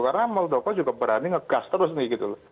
karena muldoko juga berani ngegas terus nih gitu loh